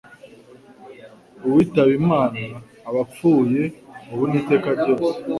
Uwitabe imana abapfuye ubu n'iteka ryose.